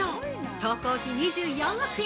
総工費２４億円。